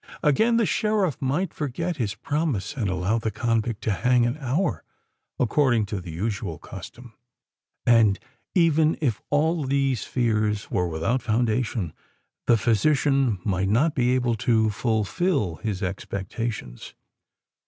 Again—the Sheriff might forget his promise, and allow the convict to hang an hour according to the usual custom? And even if all these fears were without foundation, the physician might not be able to fulfil his expectations?